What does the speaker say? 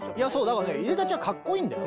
だからねいでたちはかっこいいんだよ。